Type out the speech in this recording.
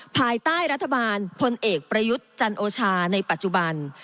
ภายใต้รัฐบาลพลเอกประยุทธ์จันโอชาในปัจจุบัน